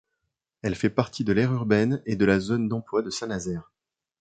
Elle fait partie de l'aire urbaine et de la zone d'emploi de Saint-Nazaire.